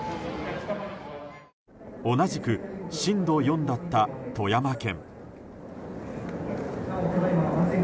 同じく震度４だった富山県。